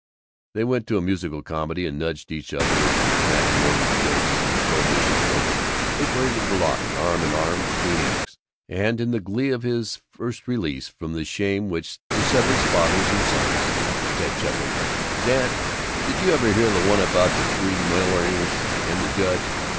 They went to a musical comedy and nudged each other at the matrimonial jokes and the prohibition jokes; they paraded the lobby, arm in arm, between acts, and in the glee of his first release from the shame which dissevers fathers and sons Ted chuckled, "Dad, did you ever hear the one about the three milliners and the judge?"